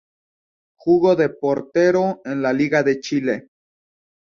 Jugó de portero en la liga de Chile.